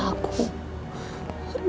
tidak ada peluang